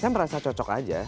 saya merasa cocok aja